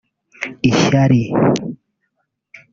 ishyari